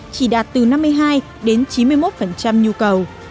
chỉ đạt từ năm mươi hai đến chín mươi một nhu cầu